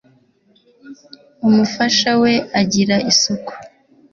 umufasha we ajyira isuku.